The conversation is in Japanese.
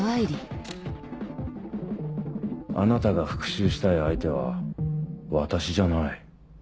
あなたが復讐したい相手は私じゃない。